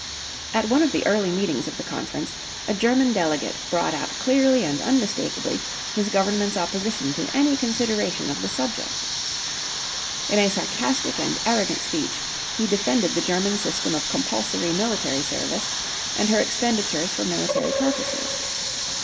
At one of the early meetings of the conference a German delegate brought out clearly and unmistakably his government's opposition to any consideration of the subject. In a sarcastic and arrogant speech he defended the German system of compulsory military service and her expenditures for military purposes.